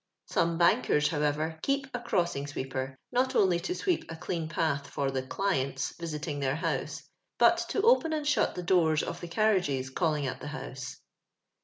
Some bankers, however, keep a crossing sweeper, not only to sweep a clean patli for the "clients" > isiting tlieir house, but to open and shut tho doors of the carriages calling at the house.